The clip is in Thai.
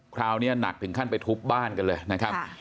คราวนี้หนักถึงขั้นไปทุบบ้านกันเลยนะครับ